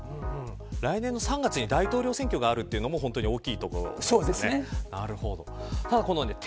来年の３月に大統領選挙があるというのも大きいところですよね。